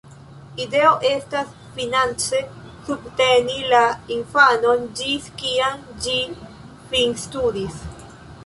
Ideo estas finance subteni la infanon ĝis kiam ĝi finstudis.